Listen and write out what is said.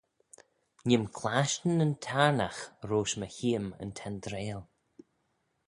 Nee'm clashtyn yn taarnagh roish my heeym yn tendreil.